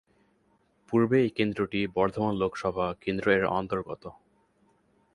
পূর্বে এই কেন্দ্রটি বর্ধমান লোকসভা কেন্দ্র এর অন্তর্গত।